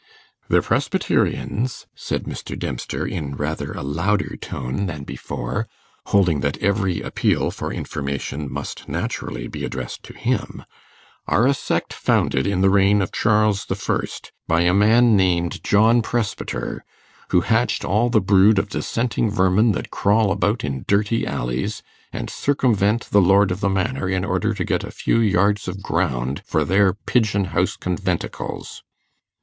'The Presbyterians,' said Mr. Dempster, in rather a louder tone than before, holding that every appeal for information must naturally be addressed to him, 'are a sect founded in the reign of Charles I., by a man named John Presbyter, who hatched all the brood of Dissenting vermin that crawl about in dirty alleys, and circumvent the lord of the manor in order to get a few yards of ground for their pigeon house conventicles.